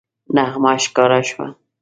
نغمه ښکاره شوه